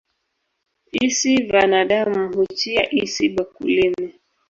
Isi vanadamu huchia isi bakulini